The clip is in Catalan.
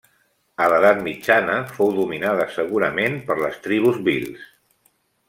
A l'edat mitjana fou dominada segurament per les tribus bhils.